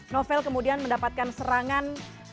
novel kemudian mendapatkan serangan